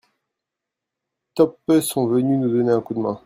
Top peu sont venus nous donner un coup de main.